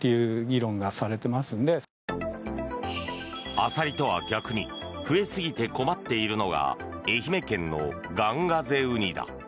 アサリとは逆に増えすぎて困っているのが愛媛県のガンガゼウニだ。